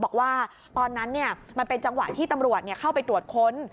บอกว่าตอนนั้นมันเป็นจังหวะที่ตำรวจเข้าไปตรวจค้น